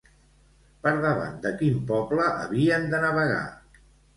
Per davant de quin poble havien de navegar?